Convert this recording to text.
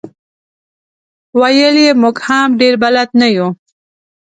ویل یې موږ هم ډېر بلد نه یو.